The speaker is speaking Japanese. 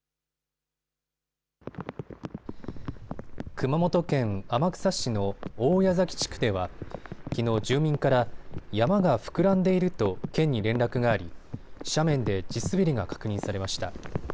熊本県天草市の大矢崎地区ではきのう、住民から山が膨らんでいると県に連絡があり斜面で地滑りが確認されました。